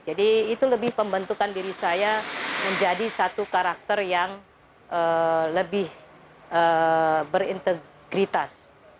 jadi itu lebih pembentukan diri saya menjadi satu karakter yang lebih berintegritas